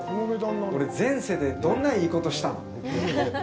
俺、前世でどんないいことしたん？